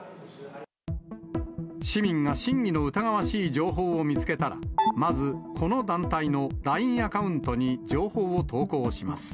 市民が真偽の疑わしい情報を見つけたら、まず、この団体のＬＩＮＥアカウントに情報を投稿します。